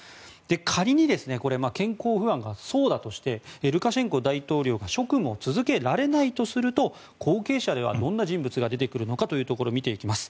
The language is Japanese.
仮に健康不安がそうだとしてルカシェンコ大統領が職務を続けられないとすると後継者はどんな人物が出てくるのかというところを見ていきます。